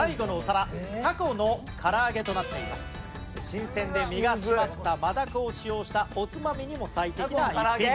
新鮮で身が締まった真だこを使用したおつまみにも最適な一品。